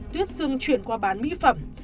tuyết xương chuyển qua bán mỹ phẩm